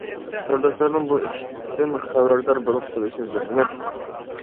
تورداشلارنىڭ بۇ ئىشتىن خەۋەردار بولۇپ قېلىشىنى سورايمەن.